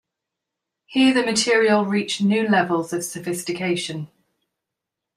Here the material reached new levels of sophistication.